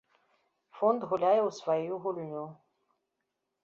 Фонд гуляе у сваю гульню.